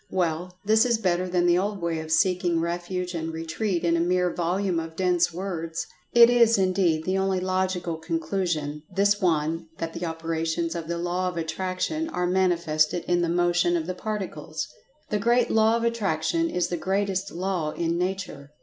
Well, this is better than the old way of seeking refuge and retreat in a mere volume of dense words. It is indeed the only logical conclusion, this one that the operations of the Law of Attraction are manifested in the Motion of the Particles. This great Law of Attraction is the greatest Law in Nature.